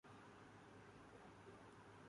دیکھیے پانی کب تک بہتا اور مچھلی کب تک تیرتی ہے؟